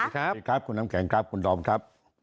สวัสดีครับคุณน้ำแข็งครับคุณดอมครับ